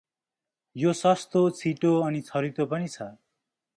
यो सस्तो, छिटो अनि छरितो पनि छ ।